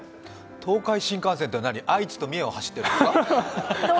東海新幹線って愛知と三重を走ってるんですか？